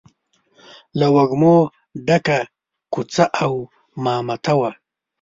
له وږمو ډکه کوڅه او مامته وه.